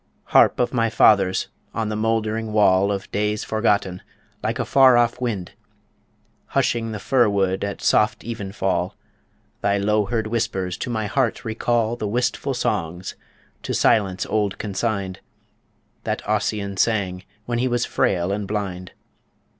Harp of my fathers on the mouldering wall Of days forgotten like a far off wind Hushing the fir wood at soft even fall, Thy low heard whispers to my heart recall The wistful songs, to Silence Old consigned, That Ossian sang when he was frail and blind.